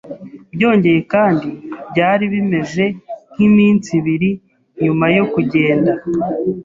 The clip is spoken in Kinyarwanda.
Byongeye kandi byari bimeze nkiminsi ibiri nyuma yo kugenda